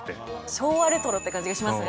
昭和レトロって感じがしますね。